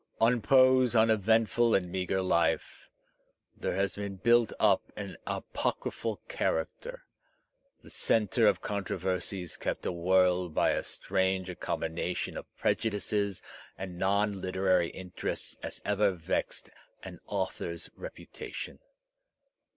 On Poe's uneventful and meagre life there has been built up an apocryphal character, the centre of controversies kept awhirl by as strange a combination of prejudices and non literary interests as ever vexed an author's reputation.